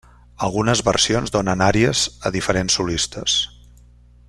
Algunes versions donen àries a diferents solistes.